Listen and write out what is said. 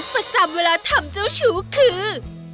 ประจำเวลาทำเจ้าชู้คือ